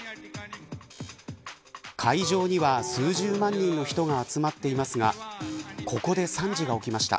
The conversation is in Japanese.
会場には数十万人の人が集まっていますがここで惨事が起きました。